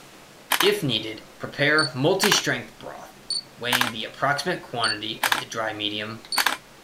If needed, prepare multi-strength broth weighing the appropriate quantity of the dry medium.